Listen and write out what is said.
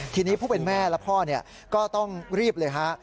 ทีนี้ผู้เป็นแม่และพ่อก็ต้องรีบเลยฮะ